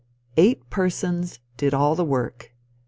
Eight persons did all the work.